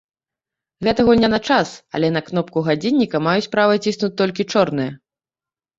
Гэта гульня на час, але на кнопку гадзінніка маюць права ціснуць толькі чорныя.